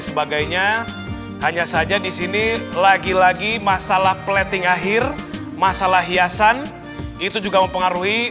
sebagainya hanya saja di sini lagi lagi masalah plating akhir masalah hiasan itu juga mempengaruhi